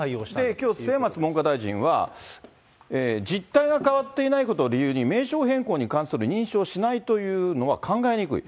きょう、末松文科大臣は、実態が変わっていないことを理由に、名称変更に関する認証をしないというのは、考えにくい。